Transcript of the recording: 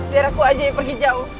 biar aku aja yang pergi jauh